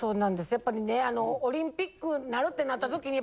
やっぱりねオリンピックなるってなった時に。